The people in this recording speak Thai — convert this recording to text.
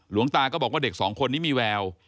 หลวงตาก็บอกว่าเด็กสองคนนี้มีแวว